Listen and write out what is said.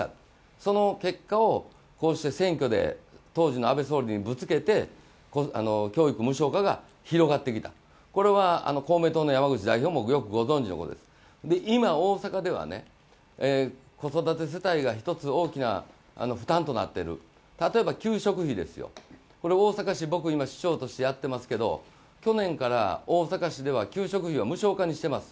その結果をこうして選挙で当時の安倍総理にぶつけて、教育無償化が広がってきたこれは公明党の山口代表もよくご存じのことです、今、大阪では子育て世帯が一つ大きな負担となっている例えば給食費です、大阪市、僕、今、市長としてやっていますが去年から大阪市では給食費を無償化にしています。